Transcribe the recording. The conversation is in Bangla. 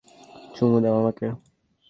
চুমু দাও আমাকে!